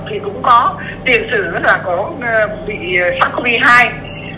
thì chúng ta cần chưa đủ bằng chứng mà chúng ta cần phải theo dõi thêm